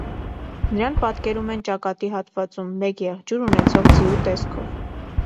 Նրան պատկերում են ճակատի հատվածում մեկ եղջյուր ունեցող ձիու տեսքով։